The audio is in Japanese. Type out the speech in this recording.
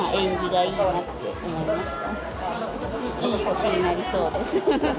いい年になりそうです。